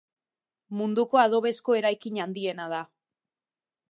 Munduko adobezko eraikin handiena da.